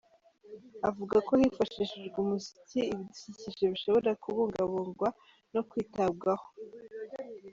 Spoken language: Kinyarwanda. Avuga ko hifashishijwe umuziki, ibidukikije bishobora kubungabungwa no kwitabwaho.